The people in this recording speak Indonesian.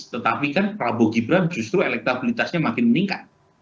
tetapi kan prabowo gibra justru elektabilitasnya makin meningkat